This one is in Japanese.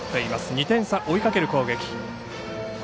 ２点差、追いかける攻撃。